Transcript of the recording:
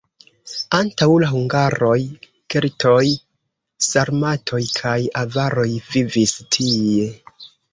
Antaŭ la hungaroj keltoj, sarmatoj kaj avaroj vivis tie.